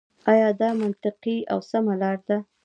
آيـا دا مـنطـقـي او سـمـه لاره ده.